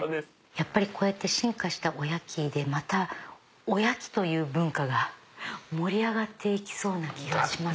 やっぱりこうやって進化したおやきでまたおやきという文化が盛り上がっていきそうな気がします。